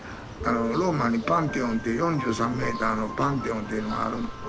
ローマにパンテオンっていう４３メーターのパンテオンっていうのがあるの。